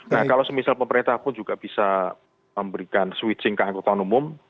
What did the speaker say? nah kalau semisal pemerintah pun juga bisa memberikan switching ke angkutan umum